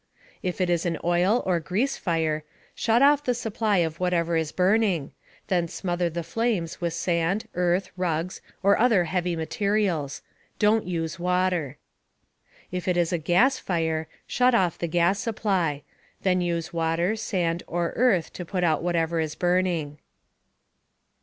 If it is an oil or grease fire, shut off the supply of whatever is burning. Then smother the flames with sand, earth, rugs, or other heavy materials. Don't use water. If it is a gas fire, shut off the gas supply. Then use water, sand, or earth to put out whatever is burning.